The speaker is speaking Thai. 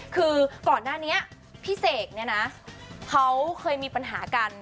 คือก่อนหน้านี้พี่เสกเนี่ยนะเขาเคยมีปัญหากัน